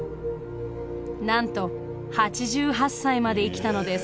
なんと８８歳まで生きたのです。